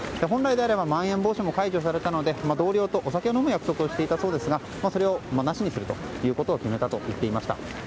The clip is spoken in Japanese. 本来ならばまん延防止も解除されたので同僚とお酒を飲む約束をしていたそうですがそれをなしにするということを決めたと言っていました。